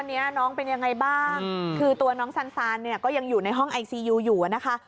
อันนี้น้องเป็นยังไงบ้างคือตัวน้องสันซานเนี่ยก็ยังอยู่ในห้องไอซียูอยู่นะคะ